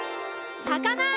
さかな！